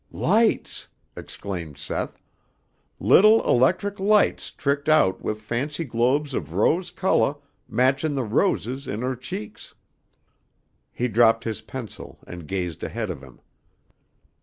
"Lights!" exclaimed Seth, "little electric lights tricked out with fancy globes of rose colah matching the roses in her cheeks." He dropped his pencil and gazed ahead of him.